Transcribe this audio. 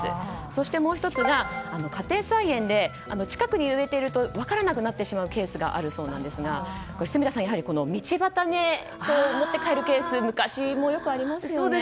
そして、もう１つが家庭菜園で近くに植えていると分からなくなってしまうケースがあるそうなんですが住田さん、やはり道端で持って帰るケース昔もよくありましたよね。